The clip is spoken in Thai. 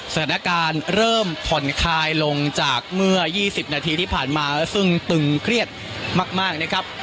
สถานการณ์เริ่มผ่อนคลายลงจากเมื่อ๒๐นาทีที่ผ่านมาซึ่งตึงเครียดมากนะครับ